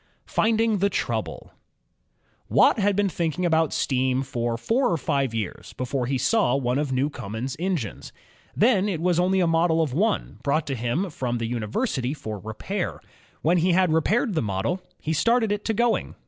PAPIN*S ENGINE Finding the Trouble Watt had been thinking about steam for four or five years before he saw one of Newcomen's engines. Then it was only a model of one, brought to him from the uni versity for repair. When he had repaired the model, he started it to going.